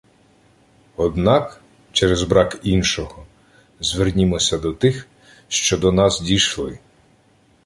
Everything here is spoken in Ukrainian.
Однак, через брак іншого, звернімося до тих, що до нас дійшли